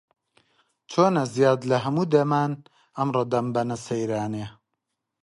چۆنە زیاد لە هەموو دەمان، ئەمڕۆ دەمبەنە سەیرانێ؟